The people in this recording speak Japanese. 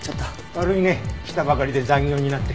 悪いね来たばかりで残業になって。